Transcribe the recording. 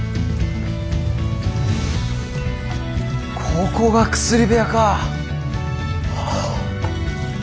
ここが薬部屋かぁ。